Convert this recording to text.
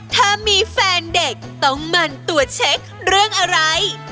ถ้ามีแฟนเด็กต้องมันตรวจเช็คเรื่องอะไร